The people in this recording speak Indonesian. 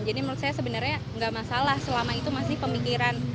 jadi menurut saya sebenarnya nggak masalah selama itu masih pemikiran